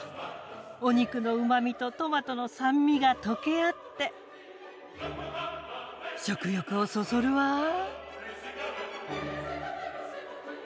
お肉のうまみとトマトの酸味が溶け合って食欲をそそるわぁ。